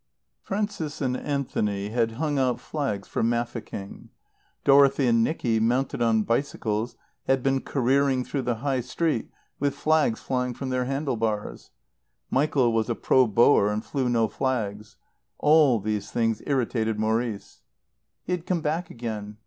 Frances and Anthony had hung out flags for Mafeking; Dorothy and Nicky, mounted on bicycles, had been careering through the High Street with flags flying from their handlebars. Michael was a Pro Boer and flew no flags. All these things irritated Maurice. He had come back again.